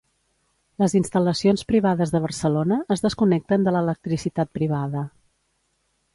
Les instal·lacions privades de Barcelona es desconnecten de l'electricitat privada.